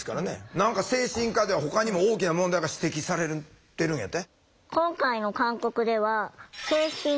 何か精神科ではほかにも大きな問題が指摘されてるんやて？